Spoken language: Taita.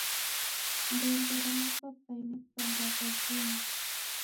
Ndembe ra mapaipai ni w'ughanga ghwa vunyu.